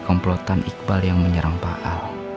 komplotan iqbal yang menyerang pak al